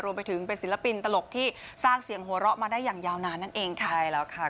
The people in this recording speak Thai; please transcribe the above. รวมไปถึงเป็นศิลปินตลกที่สร้างเสียงหัวเราะมาได้อย่างยาวนานนั่นเองค่ะใช่แล้วค่ะ